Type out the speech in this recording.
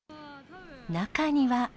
中には。